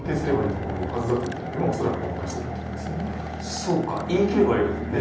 そうか言い切ればいいわけですもんね。